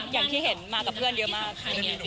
อย่างที่เห็นมากับเพื่อนเยอะมากค่ะ